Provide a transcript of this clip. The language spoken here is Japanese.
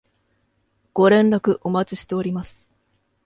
ご連絡お待ちしております